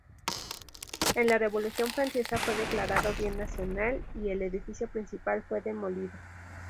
En la Revolución francesa fue declarado bien national y el edificio principal fue demolido.